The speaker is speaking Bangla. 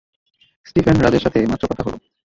স্টিফেন রাজের সাথে মাত্র কথা হলো।